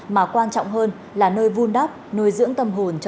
mà quan trọng hơn là nơi vuôn đắp nuôi dưỡng tâm hồn cho trẻ thơ